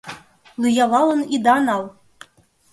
Лӱялалын ида нал!